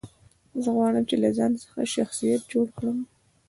زه غواړم، چي له ځان څخه شخصیت جوړ کړم.